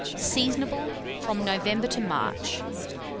Seasonable from November to March.